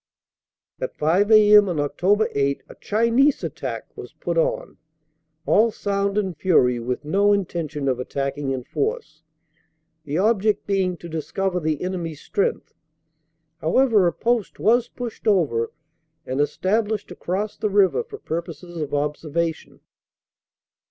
At 5 a.m. on Oct. 8 a "Chinese attack" was put on all sound and fury with no intention of attacking in force, the object being to discover the enemy s strength. However a 328 CANADA S HUNDRED DAYS post was pushed over and established across the river for pur poses of observation.